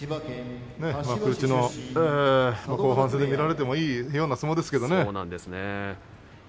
幕内の後半戦で見られてもいいような相撲ですけどもね。